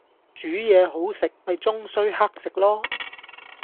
煮嘢好食咪終須乞食囉